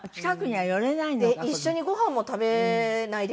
はい。